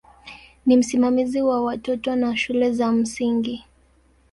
Ni msimamizi wa watoto na wa shule za msingi.